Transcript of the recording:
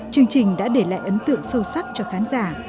chương trình đã để lại ấn tượng sâu sắc cho khán giả